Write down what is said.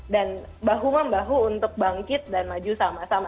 dan bahu membahu untuk bangkit dan maju sama sama